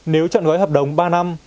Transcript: nếu chọn gói hợp đồng ba năm